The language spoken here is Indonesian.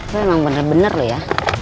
lu emang bener bener lu ya